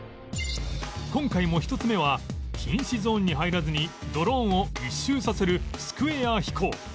今回も１つ目は禁止ゾーンに入らずにドローンを１周させるスクエア飛行